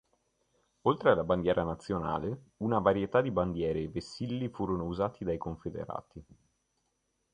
Oltre alla bandiera nazionale, una varietà di bandiere e vessilli furono usati dai confederati.